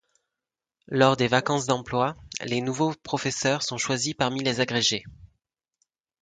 Lors des vacances d’emploi, les nouveaux professeurs sont choisis parmi les agrégés.